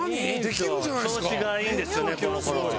調子がいいんですよねこの頃。